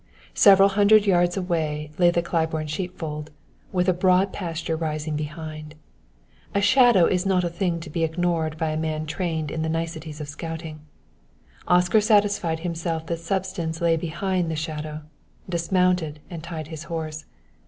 Several hundred yards away lay the Claiborne sheepfold, with a broad pasture rising beyond. A shadow is not a thing to be ignored by a man trained in the niceties of scouting. Oscar, satisfying himself that substance lay behind the shadow, dismounted and tied his horse.